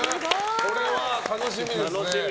これは楽しみですね。